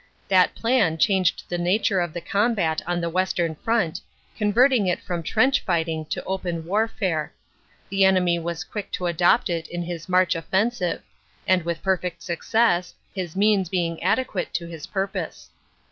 That plan changed the nature of the combat on the West Front, converting it from trench fighting to open warfare; the enemy was quick to adopt it in his March offensive; and with perfect success, his means being adequate to his purpose.